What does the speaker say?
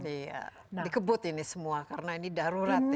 iya dikebut ini semua karena ini darurat ya